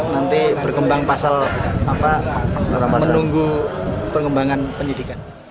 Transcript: nanti berkembang pasal apa menunggu perkembangan penyidikan